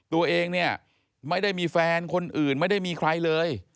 ตัวเองเนี่ยไม่ได้มีแฟนคนอื่นไม่ได้มีใครเลย